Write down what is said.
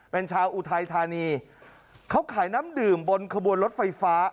เป็นชาวอุทัยธานีเขาขายน้ำดื่มบนขบวนรถไฟฟ้า